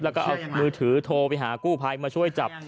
ถ่ายคลิปแล้วก็เอามือถือโทรไปหากู้ไพท์มาช่วยจับ